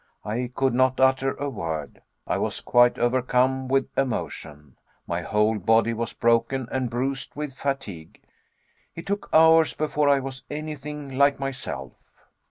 I could not utter a word; I was quite overcome with emotion; my whole body was broken and bruised with fatigue; it took hours before I was anything like myself.